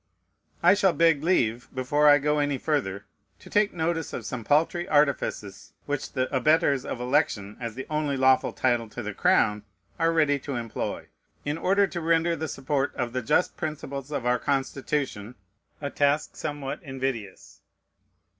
I shall beg leave, before I go any further, to take notice of some paltry artifices which the abettors of election as the only lawful title to the crown are ready to employ, in order to render the support of the just principles of our Constitution a task somewhat invidious.